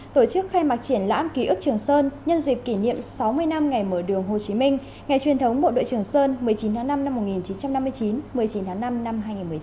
tổ chức khai mạc triển lãm ký ức trường sơn nhân dịp kỷ niệm sáu mươi năm ngày mở đường hồ chí minh ngày truyền thống bộ đội trường sơn một mươi chín tháng năm năm một nghìn chín trăm năm mươi chín một mươi chín tháng năm năm hai nghìn một mươi chín